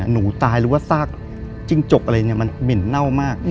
หนูตายหรือว่าซากจิ้งจกอะไรเนี่ยมันเหม็นเน่ามาก